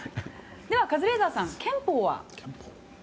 ではカズレーザーさん憲法は？